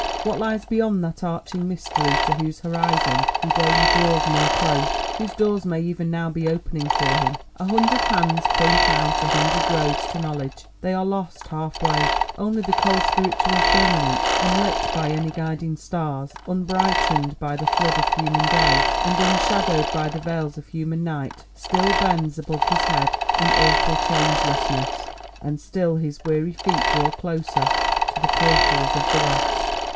What lies beyond that arching mystery to whose horizon he daily draws more close—whose doors may even now be opening for him? A hundred hands point out a hundred roads to knowledge—they are lost half way. Only the cold spiritual firmament, unlit by any guiding stars, unbrightened by the flood of human day, and unshadowed by the veils of human night, still bends above his head in awful changelessness, and still his weary feet draw closer to the portals of the West.